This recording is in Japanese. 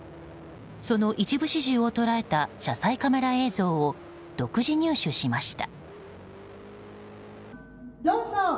その一部始終を捉えた車載カメラ映像を独自入手しました。